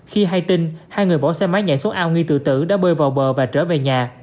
khi hay tin hai người bỏ xe máy nhảy xuống ao nghi tự tử đã bơi vào bờ và trở về nhà